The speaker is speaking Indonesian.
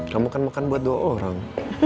kamu kan makan buat dua orang